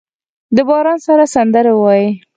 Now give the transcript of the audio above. د باران سره سندرې وايي